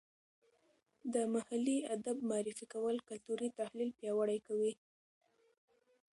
د محلي ادب معرفي کول کلتوري تحلیل پیاوړی کوي.